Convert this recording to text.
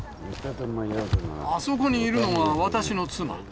あそこいるのが私の妻。